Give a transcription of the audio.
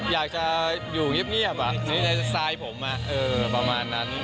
อยากจะอยู่เงียบในสไตล์ผมประมาณนั้น